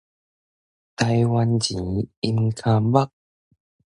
台灣錢，淹跤目